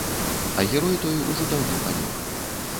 А герой той ужо даўно памёр.